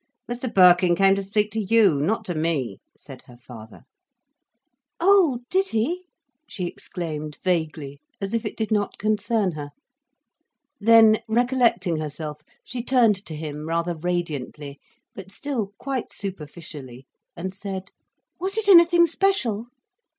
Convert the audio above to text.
"Mr Birkin came to speak to you, not to me," said her father. "Oh, did he!" she exclaimed vaguely, as if it did not concern her. Then, recollecting herself, she turned to him rather radiantly, but still quite superficially, and said: "Was it anything special?"